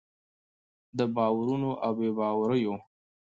د باورونو او بې باوریو